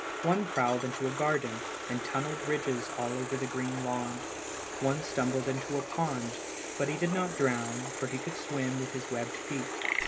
One prowled into a garden, and tunnelled ridges all over the green lawn. One stumbled into a pond, but he did not drown, for he could swim with his webbed feet.